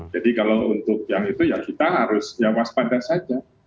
jadi kalau untuk yang itu ya kita harus ya waspada saja